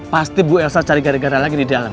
pasti bu elsa cari gara gara lagi di dalam